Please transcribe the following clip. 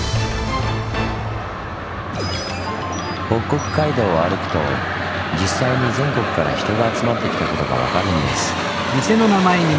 北国街道を歩くと実際に全国から人が集まってきたことが分かるんです。